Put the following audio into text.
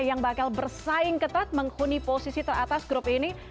yang bakal bersaing ketat menghuni posisi teratas grup ini